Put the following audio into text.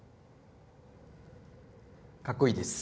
かっこいいです。